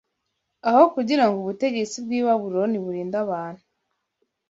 Aho kugira ngo ubutegetsi bw’i Babuloni burinde abantu